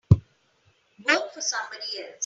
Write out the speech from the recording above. Work for somebody else.